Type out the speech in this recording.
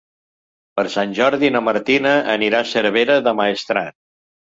Per Sant Jordi na Martina anirà a Cervera del Maestrat.